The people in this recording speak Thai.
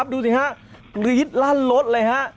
ดูสิฮะกรี๊ดลั่นรถเลยฮะ